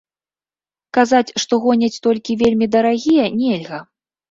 Казаць, што гоняць толькі вельмі дарагія, нельга.